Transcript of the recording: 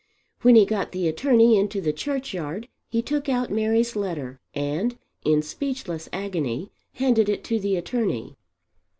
When he got the attorney into the churchyard he took out Mary's letter and in speechless agony handed it to the attorney.